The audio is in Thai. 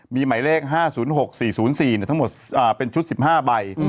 มีหมายเลข๕๐๖๔๐๔ทั้งหมดเป็นชุด๑๕ใบ